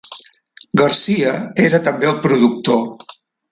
Garcia era també el productor.